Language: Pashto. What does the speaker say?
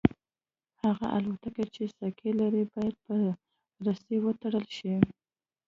هغه الوتکې چې سکي لري باید په رسۍ وتړل شي